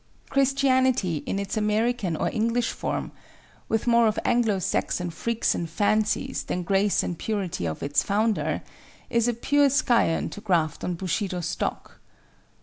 Christianity in its American or English form—with more of Anglo Saxon freaks and fancies than grace and purity of its founder—is a poor scion to graft on Bushido stock.